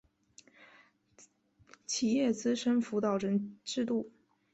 企业资深辅导人制度